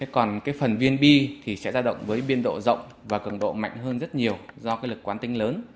còn phần viên bi thì sẽ giao động với biên độ rộng và cực độ mạnh hơn rất nhiều do lực quan tinh lớn